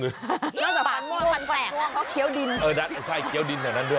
ฟันม่วงฟันแปลกเค้าเคี้ยวดินเออใช่เคี้ยวดินแหละนั้นด้วย